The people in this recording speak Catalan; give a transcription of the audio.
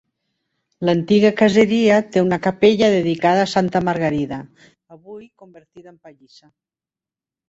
L'antiga caseria té una capella dedicada a Santa Margarida, avui convertida en pallissa.